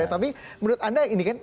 tapi menurut anda ini kan